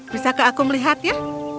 bisakah aku melihatnya